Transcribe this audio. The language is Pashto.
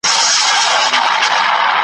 او پر مځکه دي وجود زیر و زبر سي .